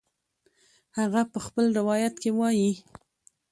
هغه په خپل روایت کې وایي